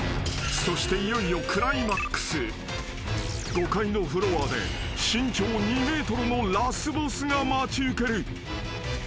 ［５階のフロアで身長２ｍのラスボスが待ち受ける］